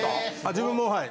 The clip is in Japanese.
自分もはい。